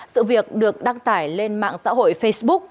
sự việc được đăng tải lên mạng xã hội facebook